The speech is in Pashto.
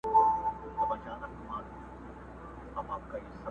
خر د خوني په مابین کي په نڅا سو!.